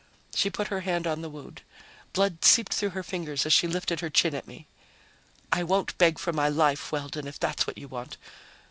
She put her hand on the wound. Blood seeped through her fingers as she lifted her chin at me. "I won't beg for my life, Weldon, if that's what you want.